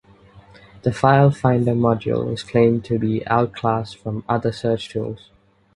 The file finder module is claimed to be "outclass" from other search tools.